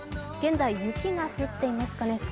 現在、雪が降っていますかね